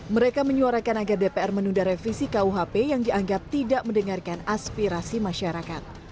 mereka menyuarakan agar dpr menunda revisi kuhp yang dianggap tidak mendengarkan aspirasi masyarakat